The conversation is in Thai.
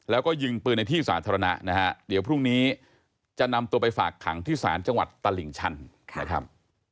แล้วก็ยิงปืนในที่สาธารณะนะฮะเดี๋ยวพรุ่งนี้จะนำตัวไปฝากขังที่ศาลจังหวัดตลิ่งชันนะครับ